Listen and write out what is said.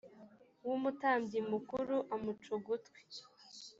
w umutambyi mukuru amuca ugutwi